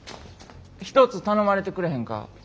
一つ頼まれてくれへんか。